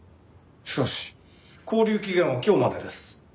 しかし勾留期限は今日までです。